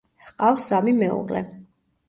ჰყავს სამი მეუღლე.